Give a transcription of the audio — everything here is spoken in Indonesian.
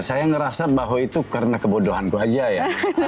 saya ngerasa bahwa itu karena kebodohanku aja ya